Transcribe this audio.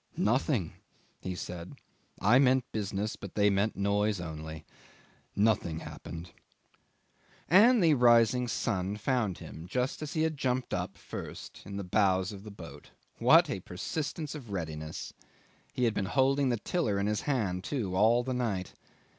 "Nothing," he said. "I meant business, but they meant noise only. Nothing happened." 'And the rising sun found him just as he had jumped up first in the bows of the boat. What a persistence of readiness! He had been holding the tiller in his hand, too, all the night.